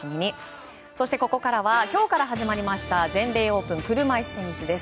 そしてここからは今日から始まりました全米オープン車いすテニスです。